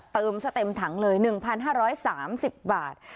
เติมซะเต็มถังเลยหนึ่งพันห้าร้อยสามสิบบาท